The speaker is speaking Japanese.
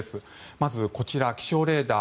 まずこちら、気象レーダー